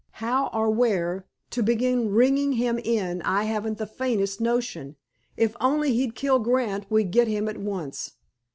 How, or where, to begin ringing him in I haven't the faintest notion. If only he'd kill Grant we'd get him at once."